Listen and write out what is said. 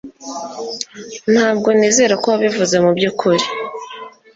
Ntabwo nizera ko wabivuze mubyukuri.